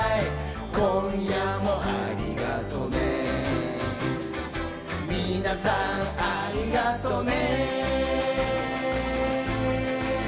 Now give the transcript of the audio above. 「今夜もありがとねみなさんありがとね」